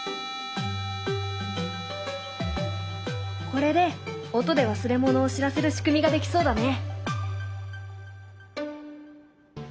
これで音で忘れ物を知らせる仕組みができそうだね。